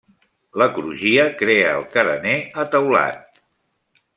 La crugia crea el carener a teulat.